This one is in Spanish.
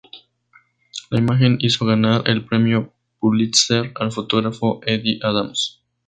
La imagen, hizo ganar el Premio Pulitzer al fotógrafo Eddie Adams.